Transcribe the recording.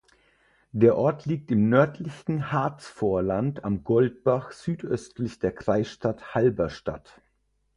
Der Ort liegt im nördlichen Harzvorland am Goldbach südöstlich der Kreisstadt Halberstadt.